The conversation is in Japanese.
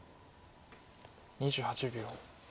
２８秒。